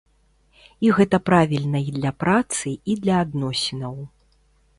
І гэта правільна і для працы, і для адносінаў.